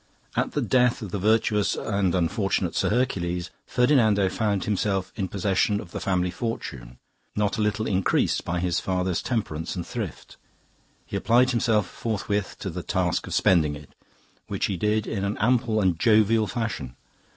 At the death of the virtuous and unfortunate Sir Hercules, Ferdinando found himself in possession of the family fortune, not a little increased by his father's temperance and thrift; he applied himself forthwith to the task of spending it, which he did in an ample and jovial fashion.